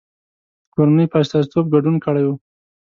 د کورنۍ په استازیتوب ګډون کړی و.